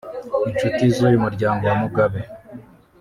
Inshuti z’uyu muryango wa Mugabe